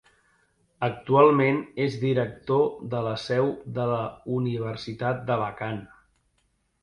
Actualment és director de la Seu de la Universitat d'Alacant.